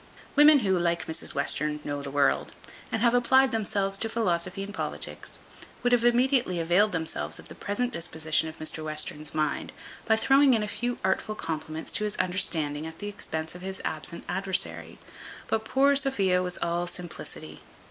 Women who, like Mrs Western, know the world, and have applied themselves to philosophy and politics, would have immediately availed themselves of the present disposition of Mr Western's mind, by throwing in a few artful compliments to his understanding at the expense of his absent adversary; but poor Sophia was all simplicity.